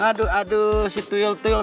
aduh aduh si tuyul tuyul